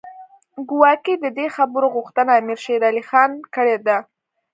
ګواکې د دې خبرو غوښتنه امیر شېر علي خان کړې ده.